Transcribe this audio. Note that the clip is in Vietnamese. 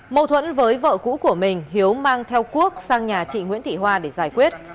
mâu thuẫn với vợ cũ của mình hiếu mang theo quốc sang nhà chị nguyễn thị hoa để giải quyết